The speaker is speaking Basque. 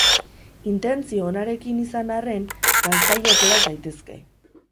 Intentzio onenarekin izan arren, galtzaile atera zaitezke.